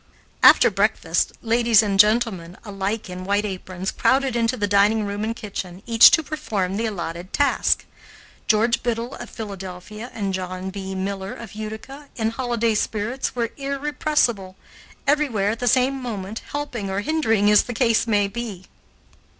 After breakfast, ladies and gentlemen, alike in white aprons, crowded into the dining room and kitchen, each to perform the allotted task. George Biddle of Philadelphia and John B. Miller of Utica, in holiday spirits, were irrepressible everywhere at the same moment, helping or hindering as the case might be.